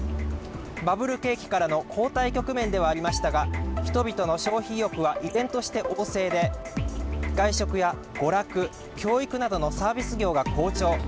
バブル景気からの後退局面ではありましたが人々の消費意欲は依然として旺盛で外食や娯楽、教育などのサービス業が好調。